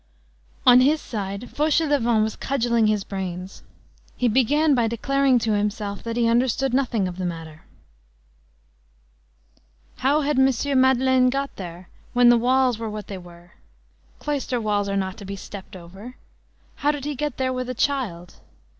On his side, Fauchelevent was cudgelling his brains. He began by declaring to himself that he understood nothing of the matter. How had M. Madeleine got there, when the walls were what they were? Cloister walls are not to be stepped over. How did he get there with a child?